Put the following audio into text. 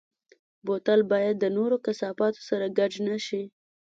بوتل باید د نورو کثافاتو سره ګډ نه شي.